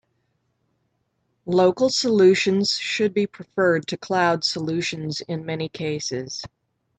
Local solutions should be preferred to cloud solutions in many cases.